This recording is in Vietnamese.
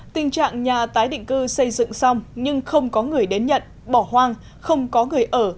tình trạng nhà tái định cư xây dựng xong nhưng không có người đến nhận bỏ hoang không có người ở